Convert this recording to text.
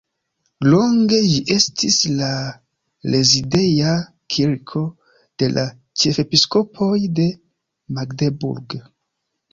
Longe ĝi estis la rezideja kirko de la ĉefepiskopoj de Magdeburg.